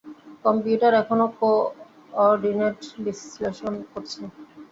Computer এখনও coordinate বিশ্লেষণ করছে!